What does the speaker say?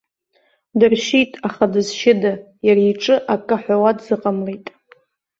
Дыршьит, аха дызшьыда, иара иҿы акы аҳәауа дзыҟамлеит.